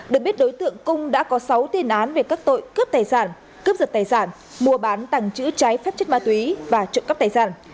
được biết đối tượng cung đã có sáu tiên án về các tội cướp tài sản cướp giật tài sản mua bán tàng trữ trái phép chất ma túy và trộm cắp tài sản